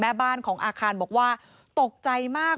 แม่บ้านของอาคารบอกว่าตกใจมาก